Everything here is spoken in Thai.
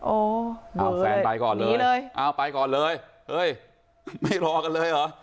อ้าวแฟนไปก่อนเลยเอาไปก่อนเลยเอ้ยไม่รอกันเลยเหรอ